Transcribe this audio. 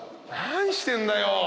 何してんだよ。